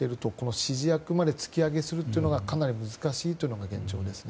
指示役まで突き上げすることがかなり難しいという現状です。